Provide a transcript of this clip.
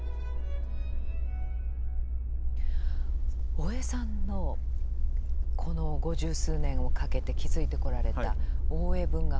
大江さんのこの五十数年をかけて築いてこられた大江文学